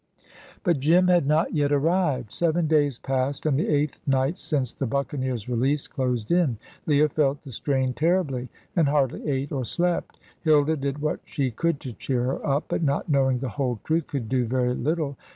But Jim had not yet arrived. Seven days passed, and the eighth night since the buccaneer's release closed in. Leah felt the strain terribly, and hardly ate or slept. Hilda did what she could to cheer her up, but, not knowing the whole truth, could do very little.